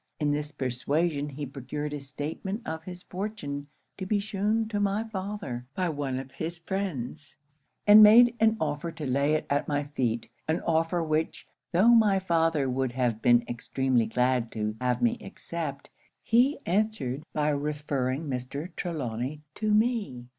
In this persuasion he procured a statement of his fortune to be shewn to my father, by one of his friends, and made an offer to lay it at my feet; an offer which, tho' my father would have been extremely glad to have me accept, he answered by referring Mr. Trelawny to me.